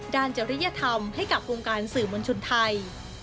ด้านเจริญภัณฑ์ให้กับกรุงการสื่อมนชุนไทย